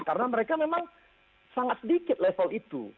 karena mereka memang sangat sedikit level itu